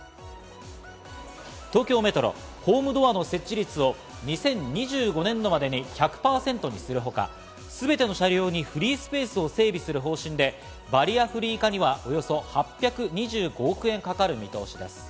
東京メトロ、ホームドアの設置率を２０２５年度までに１００％にするほか、全ての車両にフリースペースを整備する方針でバリアフリー化にはおよそ８２５億円かかる見通しです。